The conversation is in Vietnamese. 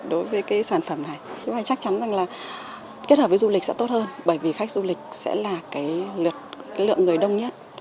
đối với cái sản phẩm này chúng ta chắc chắn rằng là kết hợp với du lịch sẽ tốt hơn bởi vì khách du lịch sẽ là cái lượt người đông nhất